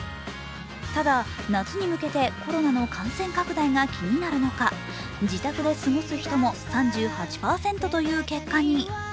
ただ、夏に向けてコロナの感染拡大が気になる中、自宅で過ごす人も３８％という結果に。